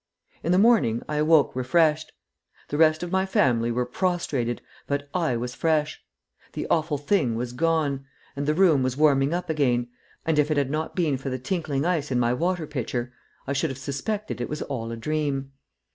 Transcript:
In the morning I awoke refreshed. The rest of my family were prostrated, but I was fresh. The Awful Thing was gone, and the room was warming up again; and if it had not been for the tinkling ice in my water pitcher, I should have suspected it was all a dream.